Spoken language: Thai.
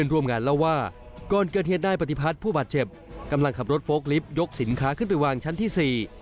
กำลังกำลังขับรถโฟล์คลิปยกสินค้าขึ้นไปวางชั้นที่๔